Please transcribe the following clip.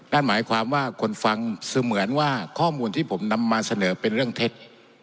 นั่นหมายความว่าคนฟังเสมือนว่าข้อมูลที่ผมนำมาเสนอเป็นเรื่องเท็จ